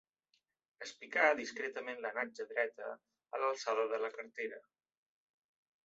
Es picà discretament la natja dreta a l'alçada de la cartera.